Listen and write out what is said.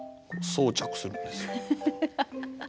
装着するんです。